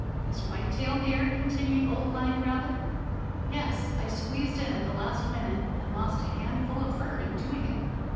"Is White Tail here?" continued Old Blind Rabbit. "Yes, I squeezed in at the last minute, and lost a handful of fur in doing it."